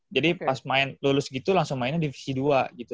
jadi pas lulus gitu langsung mainnya divisi dua gitu